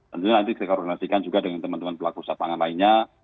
tentunya nanti kita koordinasikan juga dengan teman teman pelaku usaha pangan lainnya